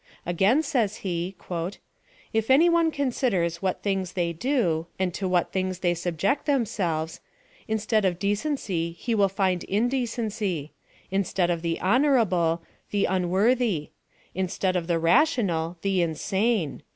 Again says he, "li any one considers what things they do^ and to what tilings they subject themselves ; instead of decency, he will find indecency ; instead of the honoraole, die Jiiworthy ; instead of the rational, the insane